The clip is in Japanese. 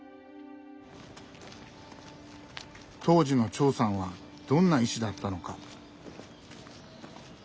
当時の長さんはどんな医師だったのか。